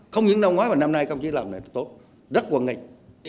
không những năm ngoái năm nay không trí làm tốt rất quần ngành